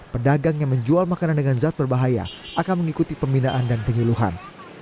pedagang yang menjual makanan dengan zat berbahaya akan mengikuti pembinaan dan penyuluhan